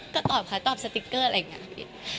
ก็ตอบค่ะตอบสติ๊กเกอร์อะไรอย่างนี้